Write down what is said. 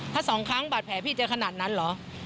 ถ้าสองครั้งบาดแผลพี่จะขนาดนั้นเหรอ